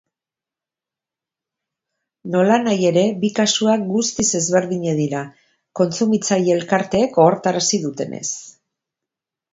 Nolanahi ere, bi kasuak guztiz ezberdinak dira, kontsumitzaile elkarteek ohartarazi dutenez.